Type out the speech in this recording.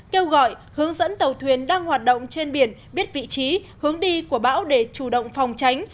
kêu gọi hướng dẫn tàu thuyền đang hoạt động trên biển biết vị trí hướng đi của bão để chủ động phòng tránh